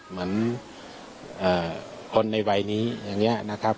เหมือนคนในวัยนี้อย่างนี้นะครับ